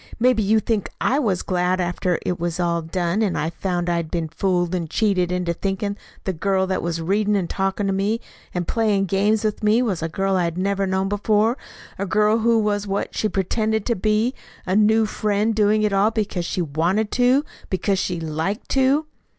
"Maybe you think I was glad after it was all done, and I found I'd been fooled and cheated into thinking the girl that was reading and talking to me and playing games with me was a girl I had never known before a girl who was what she pretended to be, a new friend doing it all because she wanted to, because she liked to."